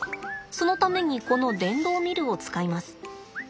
そのためにこの電動ミルを使います。